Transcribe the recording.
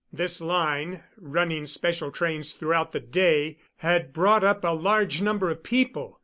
This line, running special trains throughout the day, had brought up a large number of people.